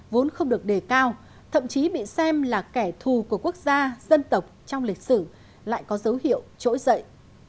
vốn không được đề cao thậm chí bị xem là kẻ thù của quốc gia dân tộc trong lịch sử lại có dấu hiệu trỗi dậy